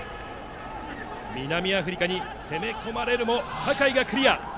南アフリカに攻め込まれるも酒井がクリア。